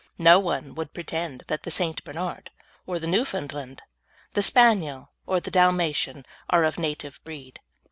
No one would pretend that the St. Bernard or the Newfoundland, the Spaniel or the Dalmatian, are of native breed.